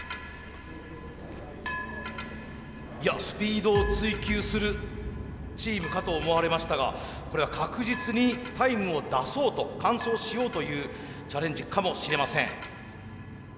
いやスピードを追求するチームかと思われましたがこれは確実にタイムを出そうと完走しようというチャレンジかもしれません。